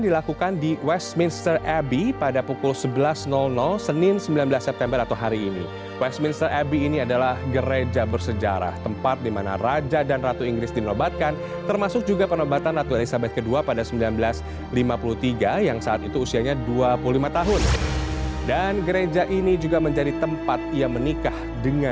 dan setelah itu masyarakat diperbolehkan